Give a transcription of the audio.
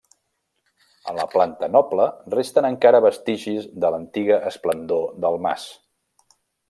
A la planta noble resten encara vestigis de l'antiga esplendor del mas.